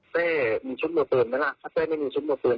เจ๊มีชุดตัวปืนไหมละถ้าเจ๊ไม่มีชุดตัวปืน